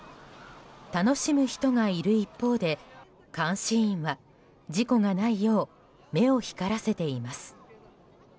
楽しむ人がいる一方で監視員は事故がないよう目を光らせています。